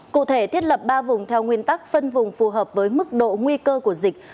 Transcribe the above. cụ thể thiết lập ba vùng theo nguyên tắc phân vùng phù hợp với mức độ nguy cơ của dịch